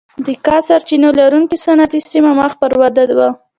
د کا سرچینو لرونکې صنعتي سیمه مخ پر وده وه.